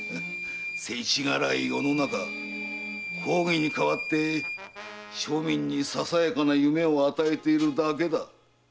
せちがらい世の中公儀に代わって庶民にささやかな夢を与えているだけだ。